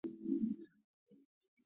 克里米亚鞑靼人的先祖？